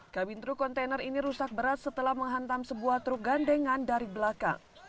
kabin truk kontainer ini rusak berat setelah menghantam sebuah truk gandengan dari belakang